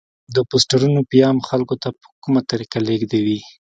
د پوسټرونو پیام خلکو ته په کومه طریقه لیږدوي؟